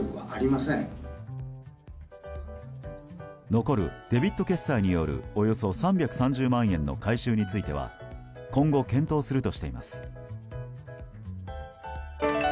残るデビット決済によるおよそ３３０万円の回収については今後、検討するとしています。